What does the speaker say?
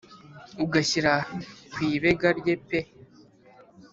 ugashyira ku ibega rye pe